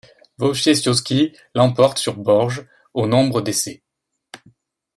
Wojciechowski l'emporte sur Borges aux nombres d'essais.